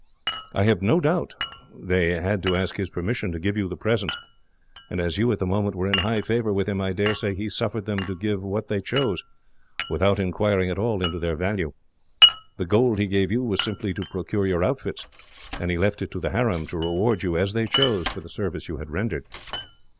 "I have no doubt they had to ask his permission to give you the presents, and as you, at the moment, were in high favour with him, I daresay he suffered them to give what they chose, without inquiring at all into their value. The gold he gave you was simply to procure your outfits, and he left it to the harem to reward you, as they chose, for the service you had rendered.